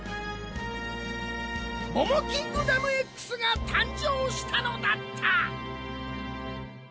モモキングダムＸが誕生したのだった！